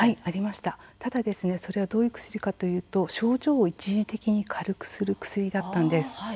ただその薬、どういう薬かというと症状を一時的に軽くする薬だったんです。